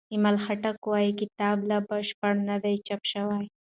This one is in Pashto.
ایمل خټک وايي کتاب لا بشپړ نه دی چاپ شوی.